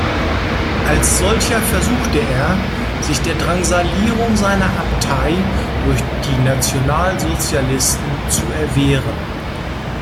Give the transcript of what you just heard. Als solcher versuchte er, sich der Drangsalierung seiner Abtei durch die Nationalsozialisten zu erwehren.